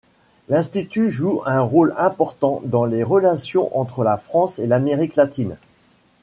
L'institut joue un rôle important dans les relations entre la France et l'Amérique latine.